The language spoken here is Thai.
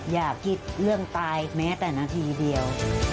อย่าคิดเรื่องตายแม้แต่นาทีเดียว